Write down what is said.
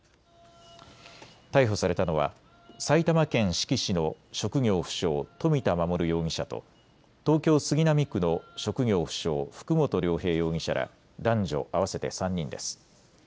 逮捕されたのは埼玉県志木市の職業不詳、冨田守容疑者と東京杉並区の職業不詳、福元涼平容疑者ら男女合わせて３人です。